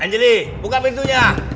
belum lagi lihat